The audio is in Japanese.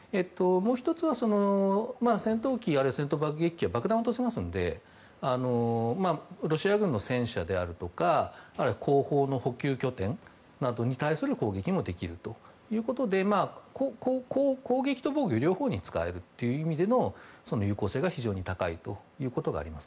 もう１つは、戦闘機、あるいは戦闘爆撃機は爆弾を落とせるのでロシア軍の戦車であるとか後方の補給拠点などに対する攻撃もできるということで攻撃と防御両方に使えるという意味での有効性が非常に高いということがあります。